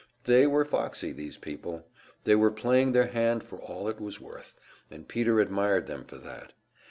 They were foxy, these people! They were playing their hand for all it was worth and Peter admired them for that.